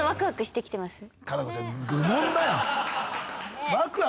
夏菜子ちゃん愚問だよ。